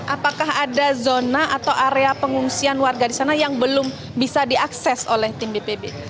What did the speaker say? apakah ada zona atau area pengungsian warga di sana yang belum bisa diakses oleh tim bpb